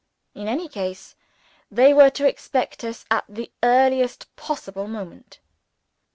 In any case, they were to expect us at the earliest possible moment.